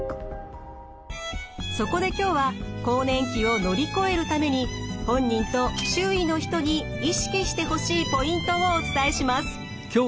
そこで今日は更年期を乗り越えるために本人と周囲の人に意識してほしいポイントをお伝えします。